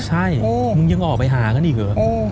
ใช่มึงยังออกไปหากันอีกเหรอ